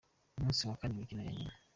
Umunsi wa kane: Imikino ya nyuma.